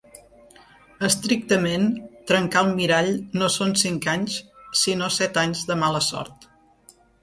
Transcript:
Estrictament, trencar un mirall no són cinc anys, sinó set anys de mala sort.